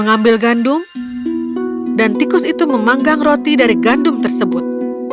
mengambil gandum dan tikus itu memanggang roti dari gandum tersebut